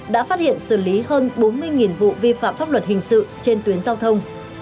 đã phát hiện xử lý hơn bốn mươi vụ vi phạm pháp luật hình sự trên tuyến giao thông